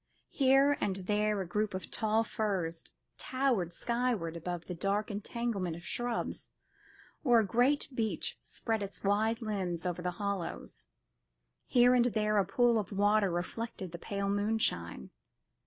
Here and there a group of tall firs towered skyward above the dark entanglement of shrubs, or a great beech spread its wide limbs over the hollows; here and there a pool of water reflected the pale moonshine.